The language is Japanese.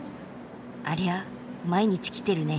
ありゃ毎日来てるね。